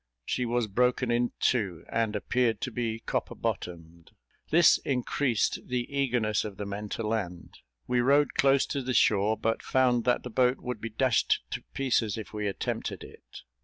She was broken in two, and appeared to be copper bottomed. This increased the eagerness of the men to land; we rowed close to the shore, but found that the boat would be dashed to pieces if we attempted it.